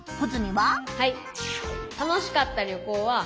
はい！